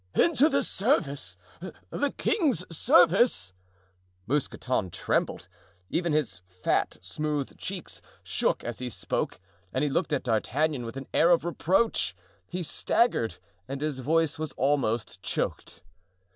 "Into the service—the king's service?" Mousqueton trembled; even his fat, smooth cheeks shook as he spoke, and he looked at D'Artagnan with an air of reproach; he staggered, and his voice was almost choked.